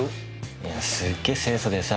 いやすげえ清楚でさ